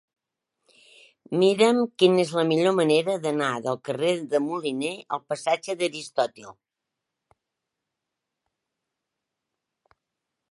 Mira'm quina és la millor manera d'anar del carrer de Moliné al passatge d'Aristòtil.